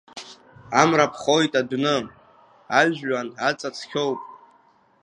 Амра ԥхоит адәны, ажәҩан аҵа цқьоуп.